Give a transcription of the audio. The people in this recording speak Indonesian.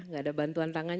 gak ada bantuan tangan